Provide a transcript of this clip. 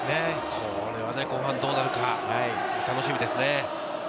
これは後半どうなるか楽しみですね。